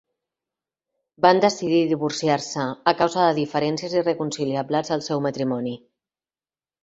Van decidir divorciar-se a causa de diferències irreconciliables al seu matrimoni.